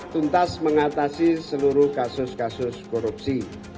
tuntas mengatasi seluruh kasus kasus korupsi